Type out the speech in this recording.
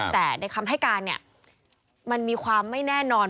แต่ในคำไฯการมันมีความไม่แน่นอน